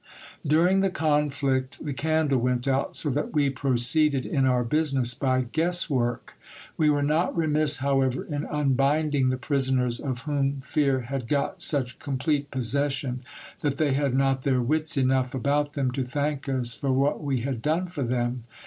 During the conflict the candle went out, so that we proceeded in our business by guess work. We were not remiss, however, in unbinding the prisoners, of whom fear had got such complete possession, that they had not their wits enough about them to thank us for what we had done for them.